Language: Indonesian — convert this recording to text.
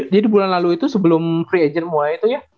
jadi bulan lalu itu sebelum free agent mulai itu ya